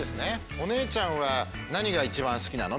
お姉ちゃんは何が一番好きなの？